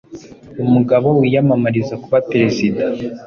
umugabo wiyamamariza kuba Perezida